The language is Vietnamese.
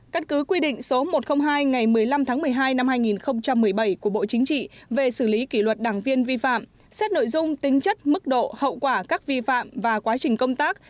căn cứ quy định số một trăm linh hai ngày một mươi năm tháng một mươi hai năm hai nghìn một mươi bảy của bộ chính trị về xử lý kỷ luật đảng viên vi phạm xét nội dung tính chất mức độ hậu quả các vi phạm và quá trình công tác